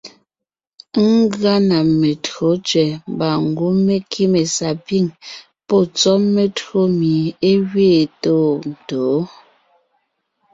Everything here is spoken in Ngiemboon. Ngʉa na metÿǒ tẅɛ̀ mbà ngwɔ́ mé kíme sapîŋ pɔ́ tsɔ́ metÿǒ mie é gẅeen tôontǒon.